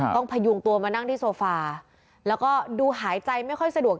พยุงตัวมานั่งที่โซฟาแล้วก็ดูหายใจไม่ค่อยสะดวก